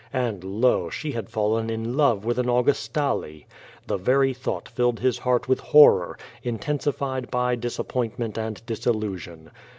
And lo! she had fallen in love with an Auguslale. The very thought filled his heart with horror, intensified by disappointment and disillusion.